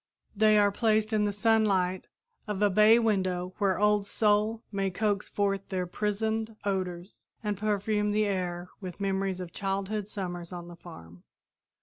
They are placed in the sunlight of a bay window where Old Sol may coax forth their prisoned odors and perfume the air with memories of childhood summers on the farm.